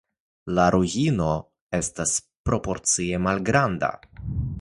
La ruino estas proporcie malgranda.